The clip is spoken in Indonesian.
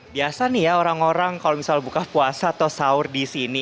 biasa nih ya orang orang kalau misal buka puasa atau sahur di sini